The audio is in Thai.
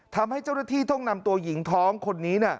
ทำให้เจ้าหน้าที่ต้องนำตัวหญิงท้องคนนี้